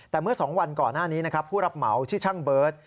แต่เมื่อ๒วันก่อนหน้านี้นะครับผู้รับเหมาชื่อช่างเบิร์ต